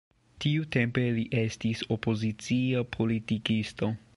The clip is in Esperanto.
Tiutempe li estis opozicia politikisto.